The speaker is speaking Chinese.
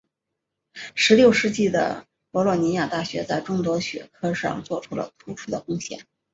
十六世纪的博洛尼亚大学在众多学科上做出了突出的贡献。